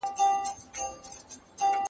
نو تشویق یې کړئ.